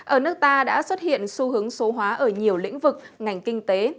ở nước ta đã xuất hiện xu hướng số hóa ở nhiều lĩnh vực ngành kinh tế